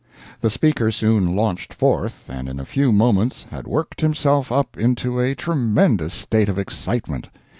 The speaker soon launched forth, and in a few moments had worked himself up into a tremendous state of excitement.